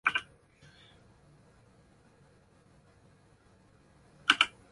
三重県木曽岬町